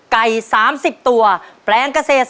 ไก่สามสิบตัวแปลงเกษตรสามนาที